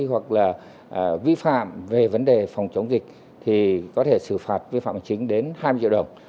hoặc là vi phạm về vấn đề phòng chống dịch thì có thể xử phạt vi phạm hành chính đến hai mươi triệu đồng